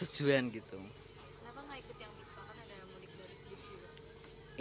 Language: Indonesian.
karena ada mudik dari bis juga